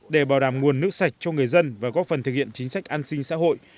để bảo đảm nguồn nước sạch cho người dân và góp phần thực hiện chính sách an sinh xã hội